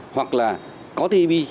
hoặc là có tpp